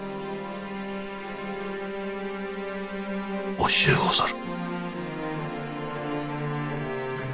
惜しゅうござる。